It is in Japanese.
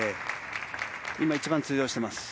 今一番通用してます。